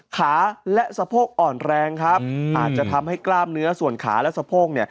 ขาและสะโพกอ่อนแรงครับอาจจะทำให้กล้ามเนื้อส่วนขาและสะโพก